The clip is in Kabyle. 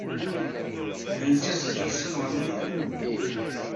D nettat ay d-yessunɣen aya?